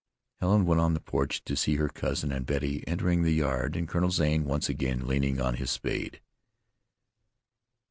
Helen went on the porch to see her cousin and Betty entering the yard, and Colonel Zane once again leaning on his spade.